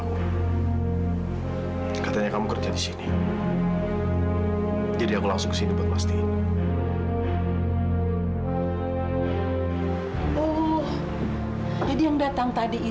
jika kamu sedang tidak tahu temanku pasti sudah terjadi